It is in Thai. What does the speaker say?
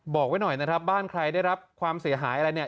บอกไว้หน่อยนะครับบ้านใครได้รับความเสียหายอะไรเนี่ย